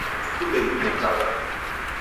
Matuku ndeghimukagha.